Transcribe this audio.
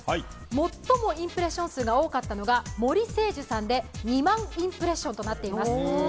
最もインプレッション数が多かったのがもりせいじゅさんで２万インプレッション数となっています。